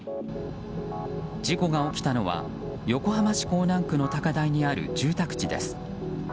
事故が起きたのは横浜市港南区の高台にある住宅地です。